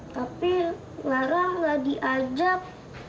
tapi laranglah diajak